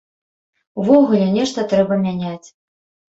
Увогуле, нешта трэба мяняць.